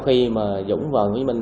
khi mà dũng vào nguyễn minh